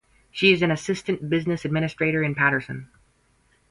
She is an Assistant Business Administrator in Paterson.